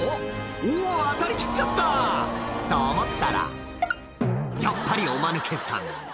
おぉ渡り切っちゃったと思ったらやっぱりおマヌケさん